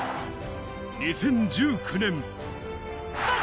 ２０１９年。